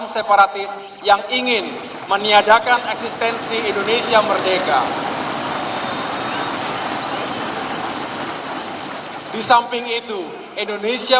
pemerintahan presiden soeharto memiliki prestasi dan hasil nyata dalam pembangunan bangsa